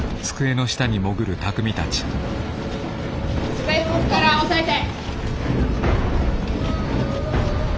机動くから押さえて。